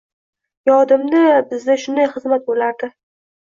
Yodimda, bizda shunday xizmat boʻlardi